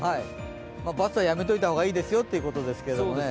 ×はやめておいた方がいいですよということですけれども。